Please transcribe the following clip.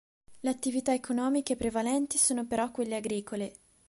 Le attività economiche prevalenti sono però quelle agricole.